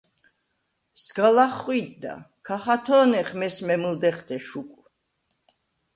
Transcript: სგა ლახხვი̄დდა, ქა ხათო̄ნეხ მესმე მჷლდეღთე შუკვ.